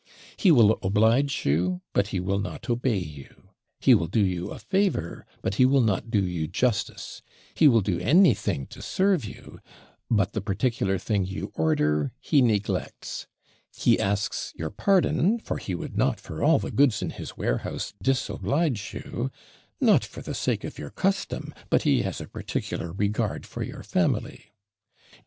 He will OBLIGE you, but he will not obey you; he will do you a favour, but he will not do you JUSTICE; he will do ANYTHING TO SERVE YOU, but the particular thing you order he neglects; he asks your pardon, for he would not, for all the goods in his warehouse, DISOBLIGE you; not for the sake of your custom, but he has a particular regard for your family.